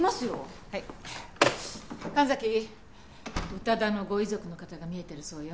宇多田のご遺族の方が見えてるそうよ。